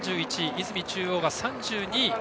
出水中央が３２位。